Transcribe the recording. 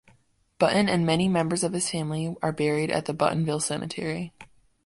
Button and many members of his family are buried at Buttonville Cemetery.